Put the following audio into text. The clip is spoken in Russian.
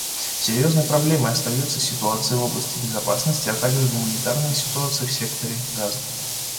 Серьезной проблемой остаются ситуация в области безопасности, а также гуманитарная ситуация в секторе Газа.